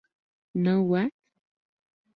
Now What?